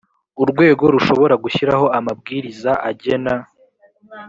urwego rushobora gushyiraho amabwiriza agena